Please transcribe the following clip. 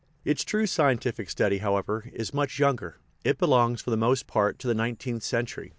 Its true scientific study, however, is much younger; it belongs, for the most part, to the nineteenth century.